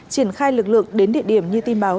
triển khai lực lượng đến địa điểm như tin báo